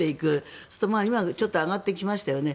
そうすると今ちょっと上がってきましたよね。